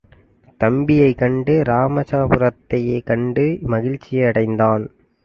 தம்பியைக் கண்டு இராசமாபுரத்தையே கண்ட மகிழ்ச்சியை அடைந்தான்.